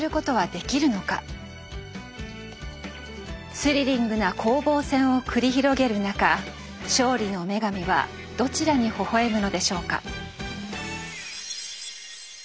スリリングな攻防戦を繰り広げる中勝利の女神はどちらにほほ笑むのでしょうか。